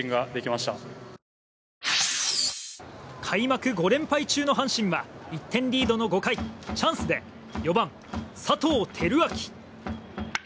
開幕５連敗中の阪神は１点リードの５回チャンスで４番、佐藤輝明。